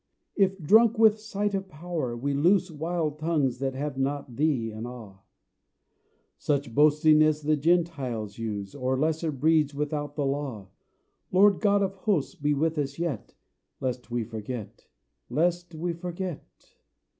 If, drunk with sight of power, we loose Wild tongues that have not Thee in awe, Such boasting as the Gentiles use, Or lesser breeds without the Law Lord God of Hosts, be with us yet, Lest we forget lest we forget!